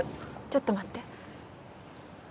ちょっと待って。